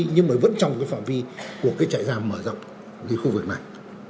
nhưng mà vẫn trong cái phạm vi của cái trại giam mở rộng cái khu vực này